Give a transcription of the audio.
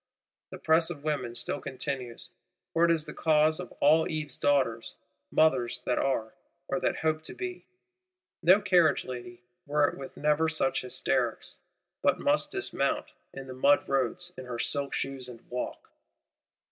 The press of women still continues, for it is the cause of all Eve's Daughters, mothers that are, or that hope to be. No carriage lady, were it with never such hysterics, but must dismount, in the mud roads, in her silk shoes, and walk.